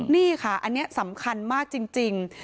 นี่ค่ะอันนี้สำคัญมากจริง